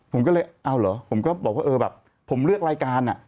ผมก็เลยอ้าวเหรอผมก็บอกว่าผมเลือกรายการ